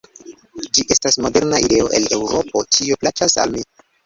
Ĝi estas moderna ideo el Eŭropo; tio plaĉas al mi.